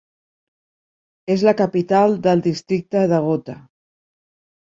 És la capital del districte de Gotha.